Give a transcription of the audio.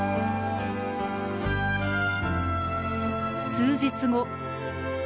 数日後。